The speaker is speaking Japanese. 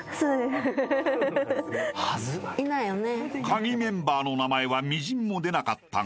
［カギメンバーの名前はみじんも出なかったが］